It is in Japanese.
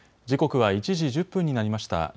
時刻は１時１０分になりました。